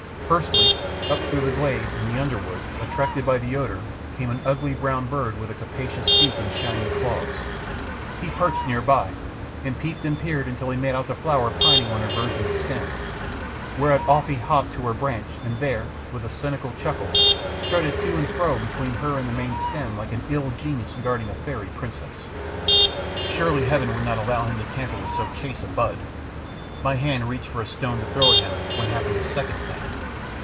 Firstly, up through a glade in the underwood, attracted by the odour, came an ugly brown bird with a capacious beak and shining claws. He perched near by, and peeped and peered until he made out the flower pining on her virgin stem, whereat off he hopped to her branch and there, with a cynical chuckle, strutted to and fro between her and the main stem like an ill genius guarding a fairy princess. Surely Heaven would not allow him to tamper with so chaste a bud! My hand reached for a stone to throw at him when happened the second thing.